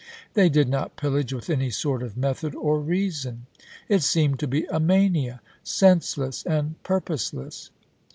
They did not pillage with any sort of method or reason — it seemed to be a mania, senseless and purpose less.